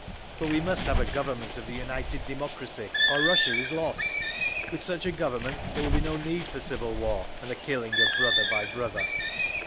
But we must have a Government of the united democracy, or Russia is lost! With such a Government there will be no need for civil war, and the killing of brother by brother!"